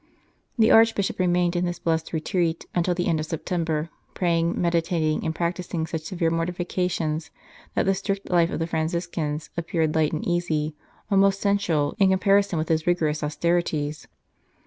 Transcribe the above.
The Archbishop remained in this blessed retreat until the end of September, praying, meditating, and practising such severe mortifications that the strict life of the Franciscans appeared light and easy, almost sensual, in comparison with his rigorous austerities.